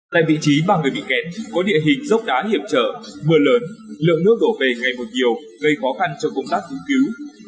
tại vị trí mà người bị kẹt có địa hình dốc đá hiểm trở mưa lớn lượng nước đổ về ngày một nhiều gây khó khăn cho công tác ứng cứu